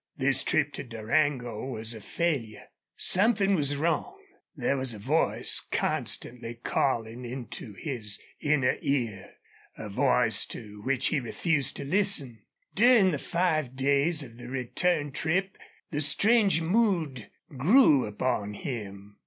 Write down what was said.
This trip to Durango was a failure. Something was wrong. There was a voice constantly calling into his inner ear a voice to which he refused to listen. And during the five days of the return trip the strange mood grew upon him.